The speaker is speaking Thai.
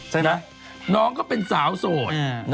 ใช่ไหมน้องเขาเป็นสาวโสด